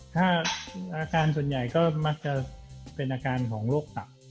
ถ้าอาการส่วนใหญ่ก็มักจะเป็นอาการของโรคตับ